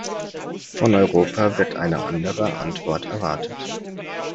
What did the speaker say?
Von Europa wird eine andere Antwort erwartet.